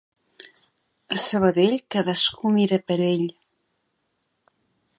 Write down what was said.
A Sabadell, cadascú mira per ell.